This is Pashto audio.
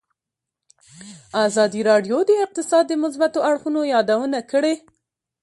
ازادي راډیو د اقتصاد د مثبتو اړخونو یادونه کړې.